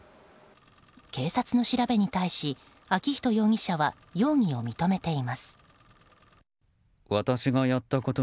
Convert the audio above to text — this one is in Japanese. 警察の調べに対し、昭仁容疑者は容疑を認めています。